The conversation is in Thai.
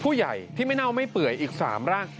ผู้ใหญ่ที่ไม่เน่าไม่เปื่อยอีก๓ร่าง